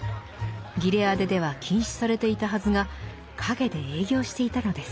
ギレアデでは禁止されていたはずが陰で営業していたのです。